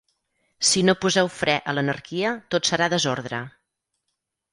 Si no poseu fre a l'anarquia tot serà desordre.